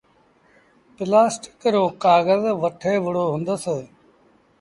پلآسٽڪ رو ڪآگز وٺي وُهڙو هُندس۔